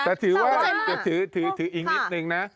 แต่ถือว่าถืออีกนิดนิดนึงนะ